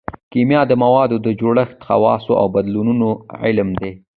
کیمیا د موادو د جوړښت خواصو او بدلونونو علم دی